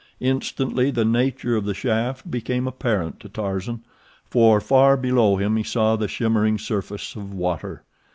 Instantly the nature of the shaft became apparent to Tarzan, for far below him he saw the shimmering surface of water.